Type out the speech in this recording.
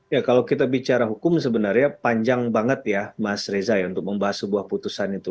ya kalau kita bicara hukum sebenarnya panjang banget ya mas reza ya untuk membahas sebuah putusan itu